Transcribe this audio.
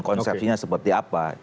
konsepnya seperti apa